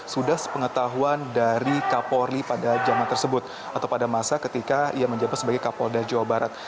sudah sepengetahuan dari kapolri pada zaman tersebut atau pada masa ketika ia menjabat sebagai kapolda jawa barat